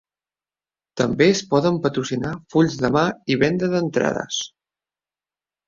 També es poden patrocinar fulls de mà i vendes d'entrades.